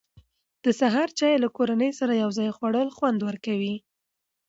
د سهار چای له کورنۍ سره یو ځای خوړل خوند ورکوي.